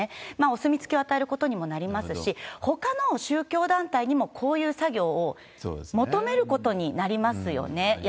お墨付きを与えることにもなりますし、ほかの宗教団体にもこういう作業を求めることになりますよね。